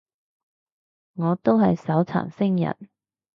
我都係手殘星人